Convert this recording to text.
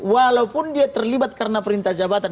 walaupun dia terlibat karena perintah jabatan